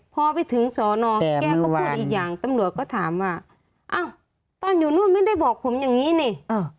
พอไปถึงสอนอแก้วก็พูดอีกอย่างตำรวจก็ถามว่าอ้าวตอนอยู่นู่นไม่ได้บอกผมอย่างนี้นี่